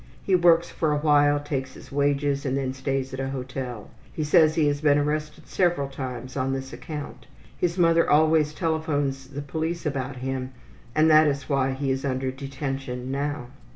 He works for a while, takes his wages and then stays at a hotel. He says he has been arrested several times on this account. His mother always telephones to the police about him and that is why he is under detention now.